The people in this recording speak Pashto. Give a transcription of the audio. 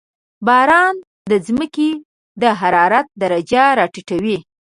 • باران د زمکې د حرارت درجه راټیټوي.